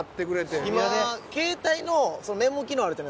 今携帯のメモ機能あるじゃないですか。